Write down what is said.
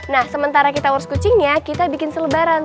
nah sementara kita harus kucingnya kita bikin selebaran